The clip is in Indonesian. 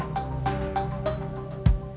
gimana menurut kamu